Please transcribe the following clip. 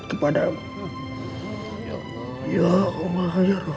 kepadamu ya allah ya rob